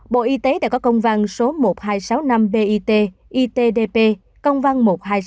bộ y tế đã có công vang số một nghìn hai trăm sáu mươi năm bit itdp công vang một nghìn hai trăm sáu mươi năm